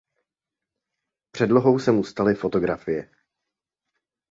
Předlohou se mu staly fotografie.